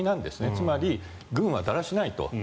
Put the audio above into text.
つまり、軍はだらしないと。